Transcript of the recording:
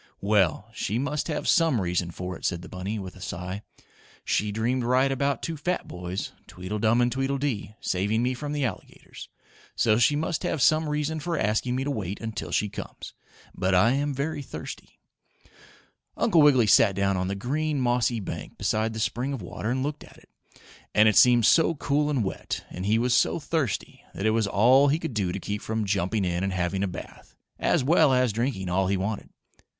"Well, she must have some reason for it," said the bunny, with a sigh. "She dreamed right about two fat boys Tweedledum and Tweedledee saving me from the alligators, so she must have some reason for asking me to wait until she comes. But I am very thirsty." Uncle Wiggily sat down on the green, mossy bank beside the spring of water and looked at it. And it seemed so cool and wet, and he was so thirsty, that it was all he could do to keep from jumping in and having a bath, as well as drinking all he wanted.